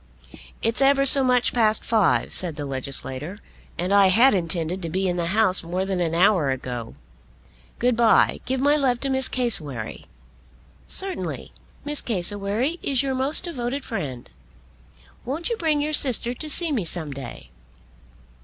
"It's ever so much past five," said the legislator, "and I had intended to be in the House more than an hour ago. Good bye. Give my love to Miss Cassewary." "Certainly. Miss Cassewary is your most devoted friend. Won't you bring your sister to see me some day?"